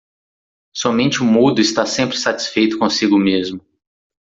Somente o mudo está sempre satisfeito consigo mesmo.